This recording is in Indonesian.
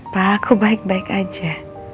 pak aku baik baik aja